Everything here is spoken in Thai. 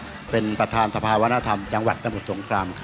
ใช่ครับเป็นประธานสภาวนธรรมจังหวัดสมุทรสงครามครับ